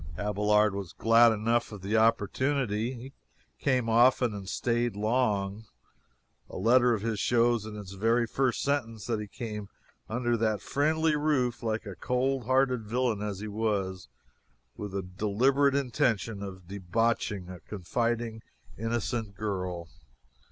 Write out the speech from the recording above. Abelard was glad enough of the opportunity. He came often and staid long. A letter of his shows in its very first sentence that he came under that friendly roof like a cold hearted villain as he was, with the deliberate intention of debauching a confiding, innocent girl.